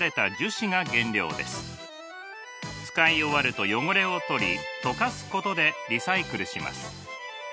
使い終わると汚れを取り溶かすことでリサイクルします。